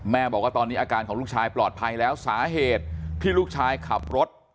บอกว่าตอนนี้อาการของลูกชายปลอดภัยแล้วสาเหตุที่ลูกชายขับรถ